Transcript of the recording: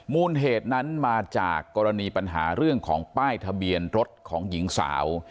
มูลเหตุนั้นมาจากกรณีปัญหาเรื่องของป้ายทะเบียนรถของหญิงสาว